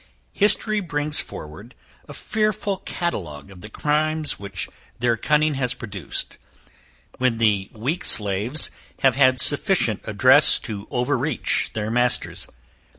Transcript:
History brings forward a fearful catalogue of the crimes which their cunning has produced, when the weak slaves have had sufficient address to over reach their masters.